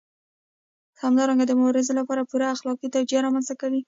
همدارنګه د مبارزې لپاره پوره اخلاقي توجیه رامنځته کوي.